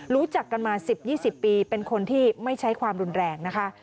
รู้จักกันมา๑๐๒๐ปีเป็นคนที่ไม่ใช้ความรุนแรงนะคะ